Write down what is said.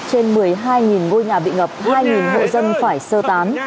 trên một mươi hai ngôi nhà bị ngập hai hộ dân phải sơ tán